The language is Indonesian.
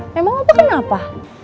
memang opa kenapa